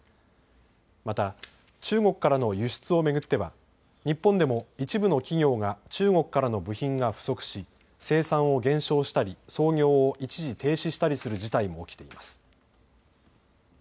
また中国からの輸出を巡っては日本でも一部の企業が中国からの部品が不足し生産を減少したり操業を一時停止したりする事態も起きています。